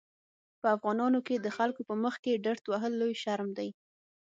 په افغانانو کې د خلکو په مخکې ډرت وهل لوی شرم دی.